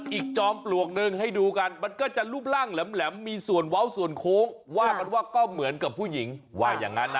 จอมปลวกหนึ่งให้ดูกันมันก็จะรูปร่างแหลมมีส่วนเว้าส่วนโค้งว่ากันว่าก็เหมือนกับผู้หญิงว่าอย่างนั้นนะ